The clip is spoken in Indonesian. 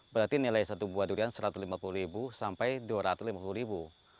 berarti nilai satu buah durian rp satu ratus lima puluh sampai dua ratus lima puluh